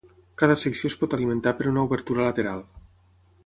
Cada secció es pot alimentar per una obertura lateral.